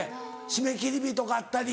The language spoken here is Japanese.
締め切り日とかあったり。